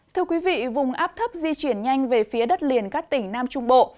thưa quý vị vùng áp thấp di chuyển nhanh về phía đất liền các tỉnh nam trung bộ